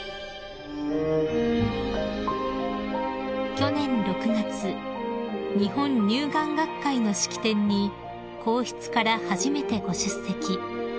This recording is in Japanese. ［去年６月日本乳癌学会の式典に皇室から初めてご出席］